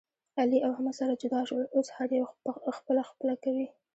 علي او احمد سره جدا شول. اوس هر یو خپله خپله کوي.